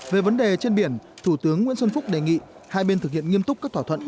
về vấn đề trên biển thủ tướng nguyễn xuân phúc đề nghị hai bên thực hiện nghiêm túc các thỏa thuận